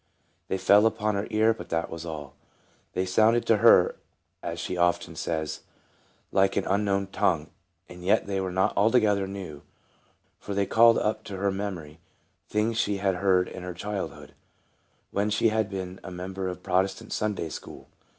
They fell upon her ear, but that was all. They sounded to her, as she often says, like an unknown tongue. And yet they were not altogether new, for they called up to her memory things she had heard in her childhood, when she had been a member of a Protestant Sunday school.